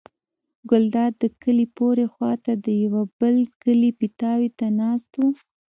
ګلداد د کلي پورې خوا ته د یوه بل کلي پیتاوي ته ناست و.